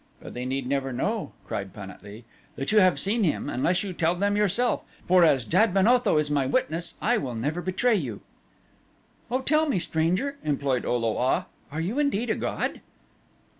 "But they need never know," cried Pan at lee, "that you have seen him unless you tell them yourself for as Jad ben Otho is my witness I will never betray you." "Oh, tell me, stranger," implored O lo a, "are you indeed a god?"